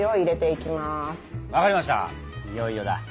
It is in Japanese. いよいよだ。